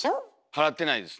払ってないですね。